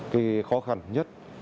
cái khó khăn nhất